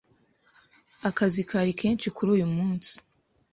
akazi kari kenshi ku uyu munsi